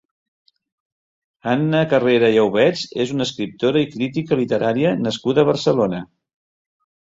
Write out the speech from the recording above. Anna Carreras i Aubets és una escriptora i crítica literària nascuda a Barcelona.